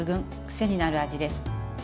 癖になる味です。